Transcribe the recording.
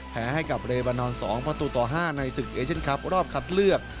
แพ้ให้กับเรบานอน๒ประตูต่อ๕ในศึกเอเชียนคลับรอบคัดเลือก